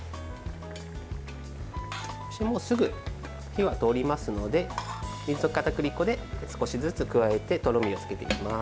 すぐ火は通りますので水溶きかたくり粉を少しずつ加えてとろみをつけていきます。